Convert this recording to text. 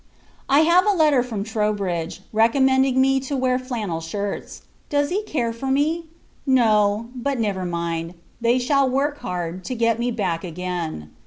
I have a letter from Troubridge, recommending me to wear flannel shirts. Does he care for me? No; but, never mind. They shall work hard, to get me back again.